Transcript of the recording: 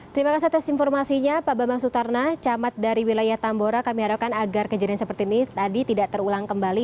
terima kasih atas informasinya pak bambang sutarna camat dari wilayah tambora kami harapkan agar kejadian seperti ini tadi tidak terulang kembali